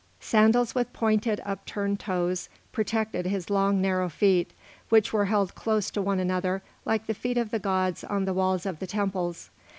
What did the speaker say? Sandals with pointed upturned toes protected his long narrow feet, which were held close to one another like the feet of the gods on the walls of the temples.